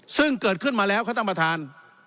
ซึ่งเกิดขึ้นมาแล้วข้าต้องประทาน